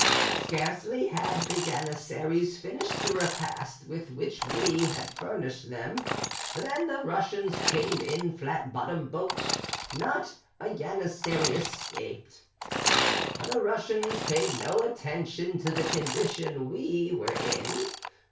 "Scarcely had the Janissaries finished the repast with which we had furnished them, than the Russians came in flat bottomed boats; not a Janissary escaped. The Russians paid no attention to the condition we were in.